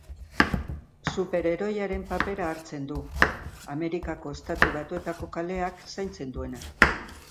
Super-heroiaren papera hartzen du, Amerikako Estatu Batuetako kaleak zaintzen duena.